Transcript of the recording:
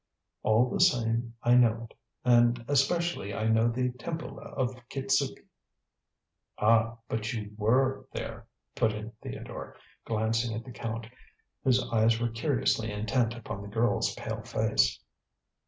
"All the same I know it, and especially I know the Temple of Kitzuki." "Ah! but you were there!" put in Theodore, glancing at the Count, whose eyes were curiously intent upon the girl's pale face.